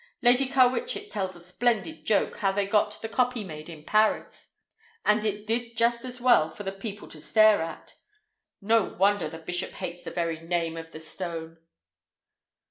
Lady Carwitchet tells as a splendid joke how they got the copy made in Paris, and it did just as well for the people to stare at. No wonder the bishop hates the very name of the stone."